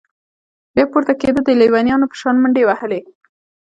بيا پورته كېده د ليونيانو په شان منډې وهلې.